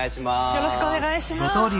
よろしくお願いします。